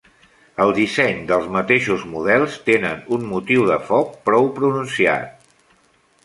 El disseny dels mateixos models tenen un motiu de foc prou pronunciat.